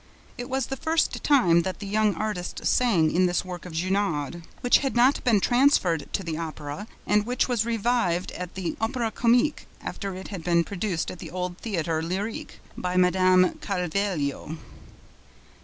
It was the first time that the young artist sang in this work of Gounod, which had not been transferred to the Opera and which was revived at the Opera Comique after it had been produced at the old Theatre Lyrique by Mme. Carvalho.